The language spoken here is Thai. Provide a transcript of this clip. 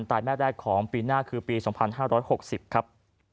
ต่อแม่กอบแหลงของปีหน้าคือ๒๕๖๐ครับ